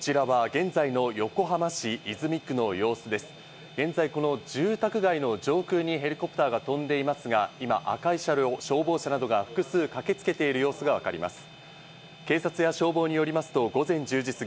現在、この住宅街の上空にヘリコプターが飛んでいますが、今、赤い車両、消防車などが複数駆けつけている様子がわかります。